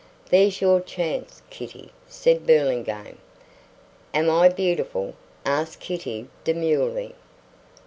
"There's your chance, Kitty," said Burlingame. "Am I beautiful?" asked Kitty, demurely.